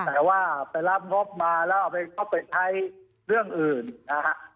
แต่ว่าไปรับงบมาแล้วเอาไปใช้เรื่องอื่นนะฮะ